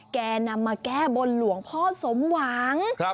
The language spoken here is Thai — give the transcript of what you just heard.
แกนำมาแก้บนหลวงพ่อสมหวัง